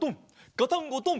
ガタンゴトン！